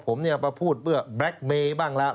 ผมเนี่ยมาพูดเมื่อแบล็คเมย์บ้างแล้ว